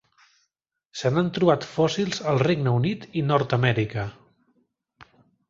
Se n'han trobat fòssils al Regne Unit i Nord-amèrica.